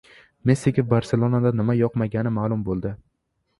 Messiga "Barselona"da nima yoqmagani ma’lum bo‘ldi